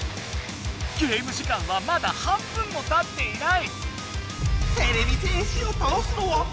ゲーム時間はまだ半分もたっていない。